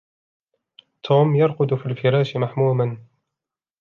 توم يرقد في الفراش محموماً.